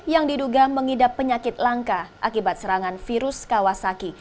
yang diduga mengidap penyakit langka akibat serangan virus kawasaki